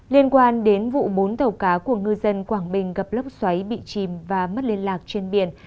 liên quan đến vụ bốn tàu cá của ngư dân quảng bình gặp lốc xoáy bị chìm và mất liên lạc trên biển